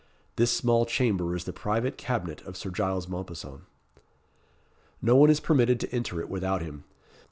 This small chamber is the private cabinet of Sir Giles Mompesson. No one is permitted to enter it without him.